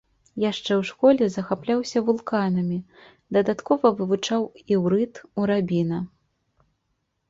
Яшчэ ў школе захапляўся вулканамі, дадаткова вывучаў іўрыт у рабіна.